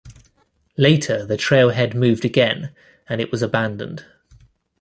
Later the trailhead moved again and it was abandoned.